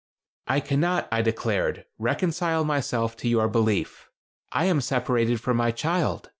"I cannot," I declared, "reconcile myself to your belief. I am separated from my child.